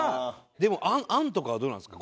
でも案とかはどうなんですか？